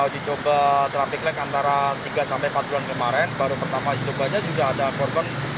dicoba traffic light antara tiga sampai empat bulan kemarin baru pertama dicobanya sudah ada korban